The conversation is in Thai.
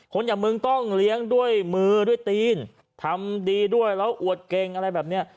อย่างมึงต้องเลี้ยงด้วยมือด้วยตีนทำดีด้วยแล้วอวดเก่งอะไรแบบนี้